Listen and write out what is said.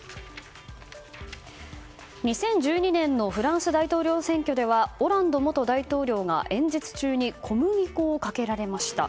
２０１２年のフランス大統領選挙ではオランド元大統領が演説中に小麦粉をかけられました。